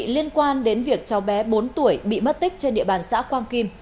liên quan đến việc cháu bé bốn tuổi bị mất tích trên địa bàn xã quang kim